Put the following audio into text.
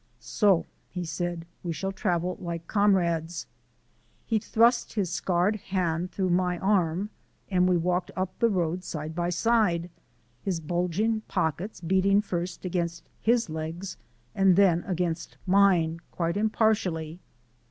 "So," he said, "we shall travel like comrades." He thrust his scarred hand through my arm, and we walked up the road side by side, his bulging pockets beating first against his legs and then against mine, quite impartially.